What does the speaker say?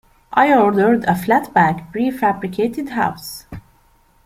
I ordered a flat-pack pre-fabricated house.